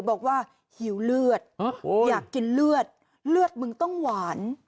บอกว่าหิวเลือดอยากกินเลือดเลือดมึงต้องหวาน